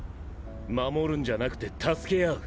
守るんじゃなくて助け合う！